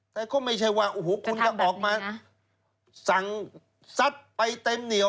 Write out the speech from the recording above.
แต่ก็ไม่ใช่ว่าโอ้โหคุณจะออกมาสั่งซัดไปเต็มเหนียว